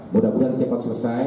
mudah mudahan cepat selesai